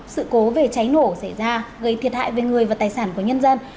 sự cố về cháy nổ xảy ra gây thiệt hại về người và tài sản của nhân dân